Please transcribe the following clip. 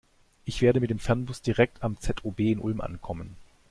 Ich werde mit dem Fernbus direkt am ZOB in Ulm ankommen.